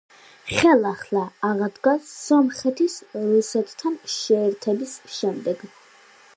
ხელახლა აღდგა სომხეთის რუსეთთან შეერთების შემდეგ.